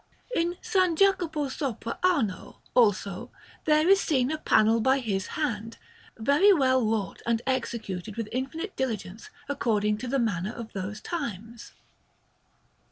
In S. Jacopo Sopra Arno, also, there is seen a panel by his hand, very well wrought and executed with infinite diligence according to the manner of those times.